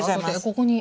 ここに。